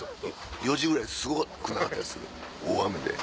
４時ぐらいすごくなかったです？